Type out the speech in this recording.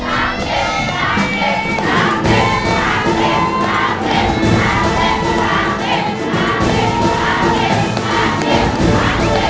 แล้วคะแดงของน้องกรีมคือ